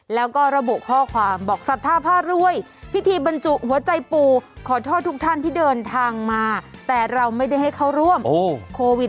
แล้วก็ระบุข้อความบอกศรัทธาผ้ารวยพิธีบรรจุหัวใจปู่ขอโทษทุกท่านที่เดินทางมาแต่เราไม่ได้ให้เข้าร่วมโควิด